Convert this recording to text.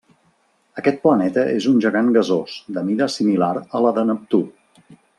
Aquest planeta és un gegant gasós, de mida similar a la de Neptú.